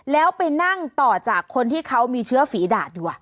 แล้วไปนั่งต่อจากคนที่เขามีเชื้อฝีดาดอยู่